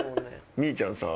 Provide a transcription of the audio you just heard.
みぃちゃんさ